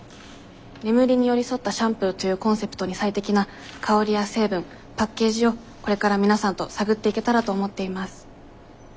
「眠りに寄り添ったシャンプー」というコンセプトに最適な香りや成分パッケージをこれから皆さんと探っていけたらと思っています。